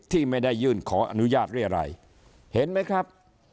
ที่ไม่ได้ยื่นขออนุญาตเรียรัยเห็นไหมครับ